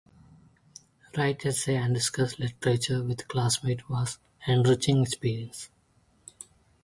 Writing essays and discussing literature with classmates was an enriching experience.